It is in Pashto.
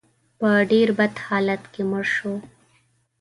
په ډېر بد حالت کې مړ شو.